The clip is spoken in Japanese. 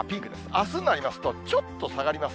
あすになりますと、ちょっと下がります。